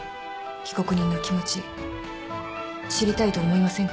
被告人の気持ち知りたいと思いませんか？